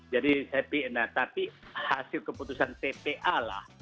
jadi saya pikir nah tapi hasil keputusan tpa lah